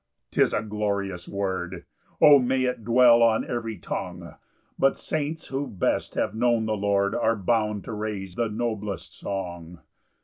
'tis a glorious word, O may it dwell on every tongue! But saints who best have known the Lord Are bound to raise the noblest song.